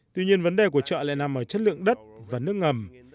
tuy nhiên vấn đề của chợ lại nằm ở chất lượng đất và nước ngầm